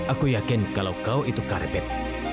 aku yakin kalau kau itu karpet